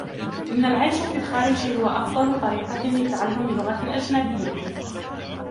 إن العيش في الخارج هو أفضل طريقة لتعلم لغة أجنبية.